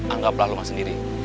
anggaplah lo sendiri